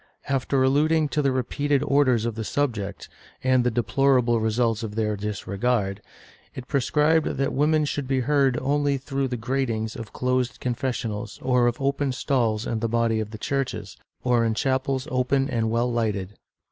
After alluding to the repeated orders on the subject, and the deplorable results of their disregard, it prescribed that women should be heard only through the gratings of closed confessionals, or of open stalls in the body of the churches, or in chapels open and well lighted.